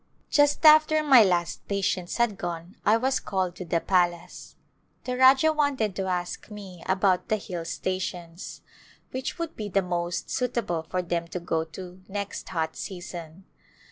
Just after my last patient had gone I was called to the palace. The Rajah wanted to ask me about the hill stations, which would be the most suitable for them to go to next hot season.